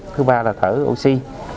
thứ ba là thở oxy